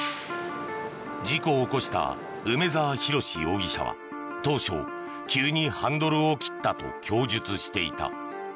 事故を起こした梅沢洋容疑者は当初、急にハンドルを切ったと供述していた。